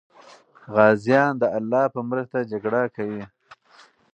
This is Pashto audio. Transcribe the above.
غازیان د الله په مرسته جګړه کوي.